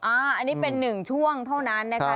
อันนี้เป็น๑ช่วงเท่านั้นนะครับ